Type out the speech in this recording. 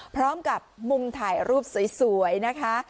พร้อมกับมุมถ่ายรูปสวยนะคะ